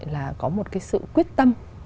là có một cái sự quyết tâm